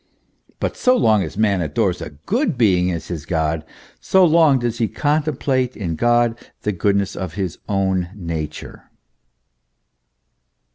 But so long as man adores a good being as his God, so long does he con template in God the goodness of his own nature.